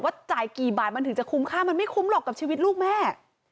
จ่ายกี่บาทมันถึงจะคุ้มค่ามันไม่คุ้มหรอกกับชีวิตลูกแม่